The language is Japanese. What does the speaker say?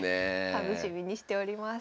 楽しみにしております。